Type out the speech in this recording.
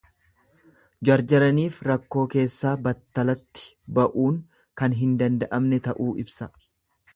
Jarjaraniif rakkoo keessaa battalatti ba'uun kan hin danda'amne ta'uu ibsa.